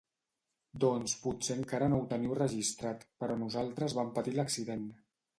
Doncs potser encara no ho teniu registrat, però nosaltres vam patir l'accident.